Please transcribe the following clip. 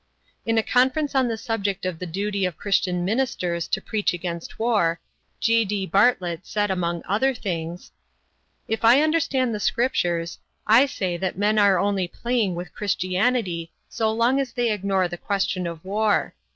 In a conference on the subject of the duty of Christian ministers to preach against war, G. D. Bartlett said among other things: "If I understand the Scriptures, I say that men are only playing with Christianity so long as they ignore the question of war.